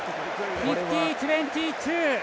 ５０：２２。